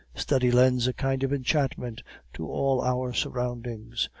Study lends a kind of enchantment to all our surroundings.